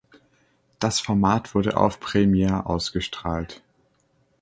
Das Format wurde auf Premiere ausgestrahlt.